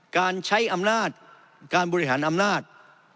การใช้อำนาจการบริหารอำนาจ